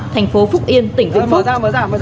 thành phố phúc yên tỉnh phúc